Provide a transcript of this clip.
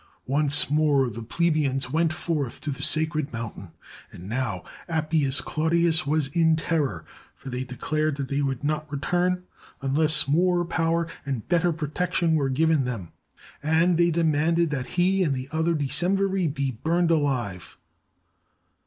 Once more the plebe ians went forth to the Sacred Mountain; and now Ap pius Claudius was in terror, for they declared that they would not return unless more power and better pro 296 i HOW THE PLEBEIANS WON THEIR RIGHTS tection were given them, and they demanded that he and the other decemviri be burned alive.